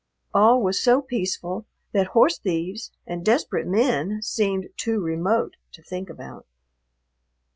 All was so peaceful that horse thieves and desperate men seemed too remote to think about.